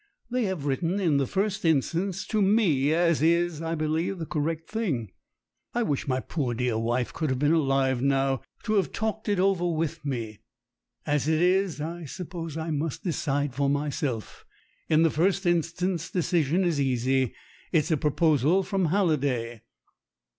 They have written in the first instance to me as is, I believe, the correct thing. I wish my poor dear wife could have been alive now, to have talked it over with me. As it is, I sup pose I must decide for myself. In the first instance, decision is easy. It's a proposal from Halliday."